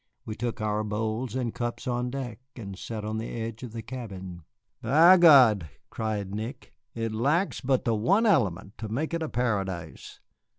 We took our bowls and cups on deck and sat on the edge of the cabin. "By gad," cried Nick, "it lacks but the one element to make it a paradise."